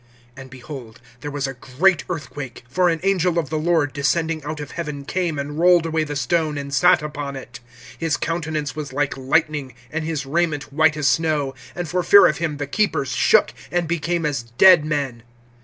(2)And behold, there was a great earthquake. For an angel of the Lord, descending out of heaven, came and rolled away the stone, and sat upon it. (3)His countenance was like lightning, and his raiment white as snow; (4)and for fear of him the keepers shook, and became as dead men.